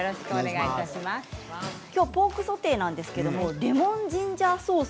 きょうはポークソテーなんですがレモンジンジャーソース